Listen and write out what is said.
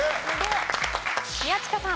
宮近さん。